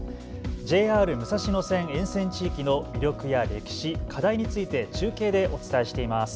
ＪＲ武蔵野線沿線地域の魅力や歴史、課題について中継でお伝えしています。